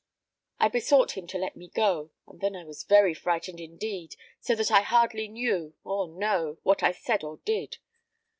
I besought him to let me go, and then I was very frightened indeed, so that I hardly knew, or know, what I said or did.